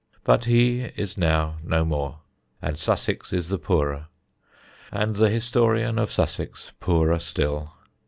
But he is now no more, and Sussex is the poorer, and the historian of Sussex poorer still.